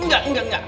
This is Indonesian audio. enggak enggak enggak